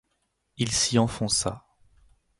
Il s’y enfonça.